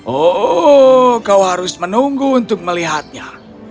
oh kau harus menunggu untuk melihatnya